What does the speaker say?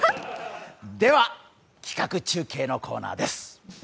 では、企画中継のコーナーです。